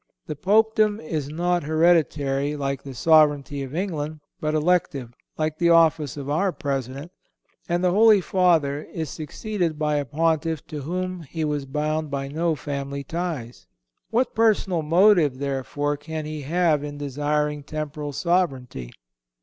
The Popedom is not hereditary, like the sovereignty of England, but elective, like the office of our President, and the Holy Father is succeeded by a Pontiff to whom he was bound by no family ties. What personal motive, therefore, can he have in desiring temporal sovereignty?